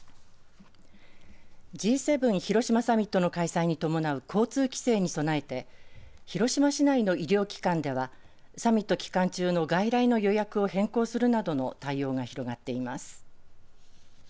Ｇ７広島サミットの開催に伴う交通規制に備えて広島市内の医療機関ではサミット期間中の外来の予約を変更するなどの対応が広がっています。